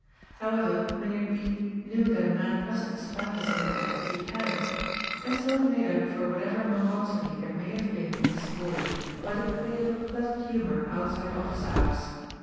However, Mynheer B. knew that a man must expand his intellect, if he can« And so he made up for whatever monotony there may have been in his call ing, by the play of a pleasant humour outside oflBce hours.